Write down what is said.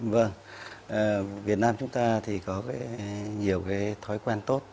vâng việt nam chúng ta có nhiều thói quen tốt